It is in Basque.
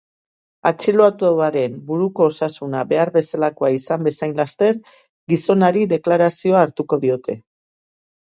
Atxilotuaren buruko osasuna behar bezalakoa izan bezain laster, gizonari deklarazioa hartuko diote.